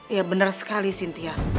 iya bener sekali sintia